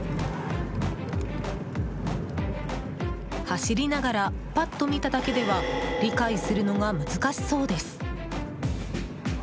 走りながらパッと見ただけでは理解するのが難しそうです。